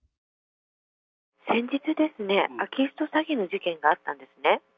先日ですね、空き巣と詐欺の事件があったんですね。